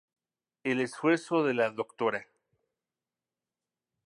El esfuerzo de la Dra.